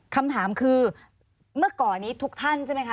คำถามคือเมื่อก่อนนี้ทุกท่านใช่ไหมคะ